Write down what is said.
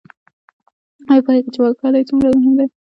ایا پوهیږئ چې پاکوالی څومره مهم دی؟